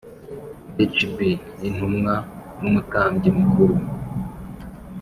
Hb intumwa n umutambyi mukuru